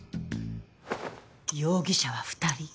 容疑者は２人。